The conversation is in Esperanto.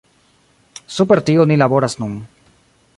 Super tio ni laboras nun.